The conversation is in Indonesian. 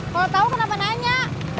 kalo tau kenapa nanya